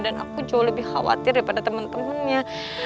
dan aku jauh lebih khawatir daripada temen temennya